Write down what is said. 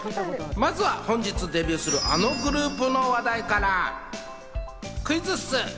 まずは本日デビューするあのグループの話題からクイズッス！